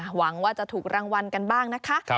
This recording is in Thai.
หวังว่าจะถูกรางวัลกันบ้างนะคะ